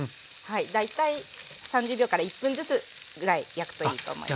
大体３０秒から１分ずつぐらい焼くといいと思います。